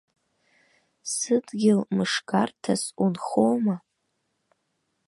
Сыдгьыл, мышгарҭас унхома?